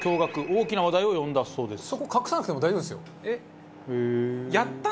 大きな話題を呼んだそうです。